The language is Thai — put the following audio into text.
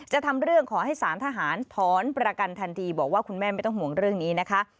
ทำเรื่องขอให้สารทหารถอนประกันทันทีบอกว่าคุณแม่ไม่ต้องห่วงเรื่องนี้นะคะ